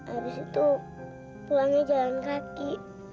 habis itu pulangnya jalan kaki